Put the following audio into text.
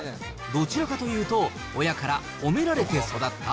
どちらかというと、親から褒められて育った？